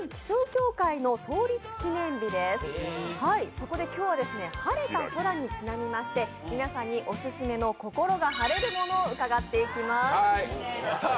そこで今日は晴れた空にちなみまして皆さんにオススメの心が晴れるものを伺っていきます。